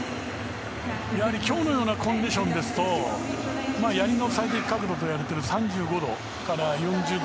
今日のようなコンディションですとやりの最適角度といわれる３５度から４０度。